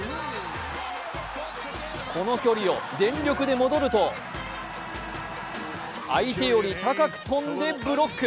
この距離を全力で戻ると相手より高く跳んでブロック。